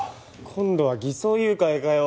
今度は偽装誘拐かよ。